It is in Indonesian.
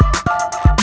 kau mau kemana